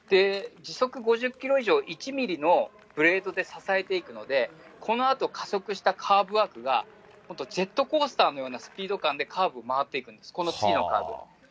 時速５０キロ以上、１ミリのブレードで支えていくので、このあと、加速したカーブワークが、ジェットコースターのようなスピード感でカーブを回っていくんです、この次のカーブ。